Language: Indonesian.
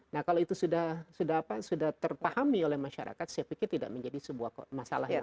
nah kalau itu sudah terpahami oleh masyarakat saya pikir tidak menjadi sebuah masalah yang